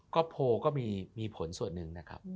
ก็โพลก็มีผลส่วนหนึ่งนะครับ